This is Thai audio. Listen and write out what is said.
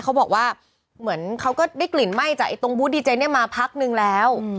เขาบอกว่าเหมือนเขาก็ได้กลิ่นไหม้จากตรงบูธดีเจเนี่ยมาพักนึงแล้ว